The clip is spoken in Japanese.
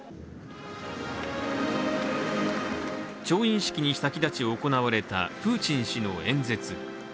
調印式に先立ち行われたプーチン氏の演説。